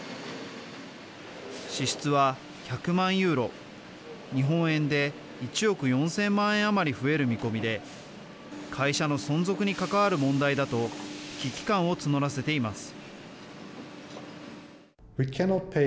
支出は１００万ユーロ日本円で１億４０００万円余り増える見込みで会社の存続に関わる問題だと危機感を募らせています。